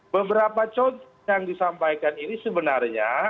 beberapa contoh yang disampaikan ini sebenarnya